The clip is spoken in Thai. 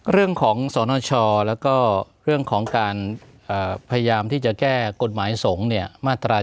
เรื่องของสรรท์นอชและก็เรื่องของการพยายามที่จะแก้กฎหมาย๒มาตรา๗